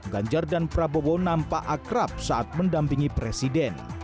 ganjar dan prabowo nampak akrab saat mendampingi presiden